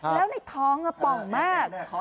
แล้วในท้องป่องมาก